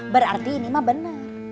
berarti ini mah bener